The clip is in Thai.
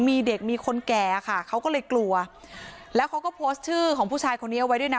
มีเด็กมีคนแก่ค่ะเขาก็เลยกลัวแล้วเขาก็โพสต์ชื่อของผู้ชายคนนี้เอาไว้ด้วยนะ